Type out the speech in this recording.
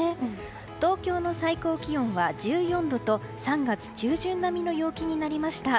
東京の最高気温は１４度と３月中旬並みの陽気になりました。